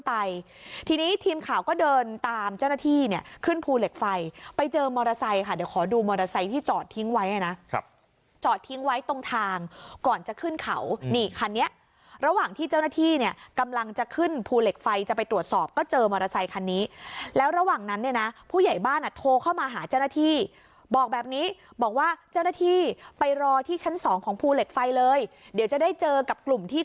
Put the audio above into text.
ไปทีนี้ทีมข่าวก็เดินตามเจ้าหน้าที่เนี่ยขึ้นภูเหล็กไฟไปเจอมอเตอร์ไซค่ะเดี๋ยวขอดูมอเตอร์ไซที่จอดทิ้งไว้นะครับจอดทิ้งไว้ตรงทางก่อนจะขึ้นเขานี่คันนี้ระหว่างที่เจ้าหน้าที่เนี่ยกำลังจะขึ้นภูเหล็กไฟจะไปตรวจสอบก็เจอมอเตอร์ไซคันนี้แล้วระหว่างนั้นเนี่ยน่ะผู้ใหญ่บ้